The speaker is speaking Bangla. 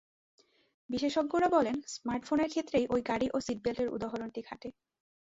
বিশেষজ্ঞরা বলেন, স্মার্টফোনের ক্ষেত্রেও ওই গাড়ি ও সিটবেল্টের উদাহরণটি খাটে।